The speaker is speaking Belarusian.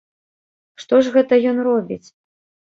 Што ж гэта ён робіць?